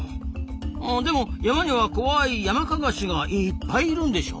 でも山には怖いヤマカガシがいっぱいいるんでしょ？